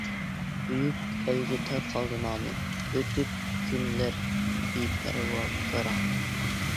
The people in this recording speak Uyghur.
بۈيۈك ئەلگە تارقالدى نامىم، ئۆتۈپ كۈنلەر بىپەرۋا، گاراڭ.